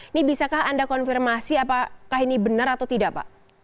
ini bisakah anda konfirmasi apakah ini benar atau tidak pak